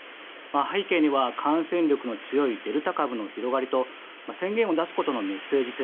背景には感染力の強いデルタ株の広まりと宣言を出すことのメッセージ性。